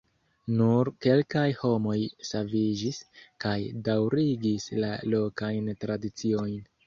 Nur kelkaj homoj saviĝis, kaj daŭrigis la lokajn tradiciojn.